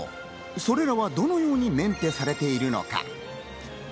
それらはどのようにメンテされているのか。